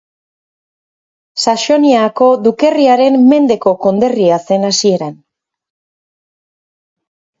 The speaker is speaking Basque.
Saxoniako dukerriaren mendeko konderria zen hasieran.